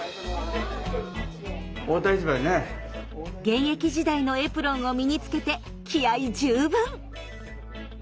現役時代のエプロンを身につけて気合い十分。